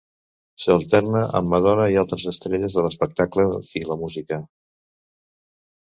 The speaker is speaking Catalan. S'alterna amb Madonna i altres estrelles de l'espectacle i la música.